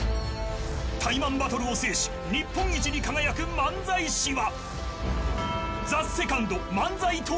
タイマンバトルを制し日本一に輝く漫才師は？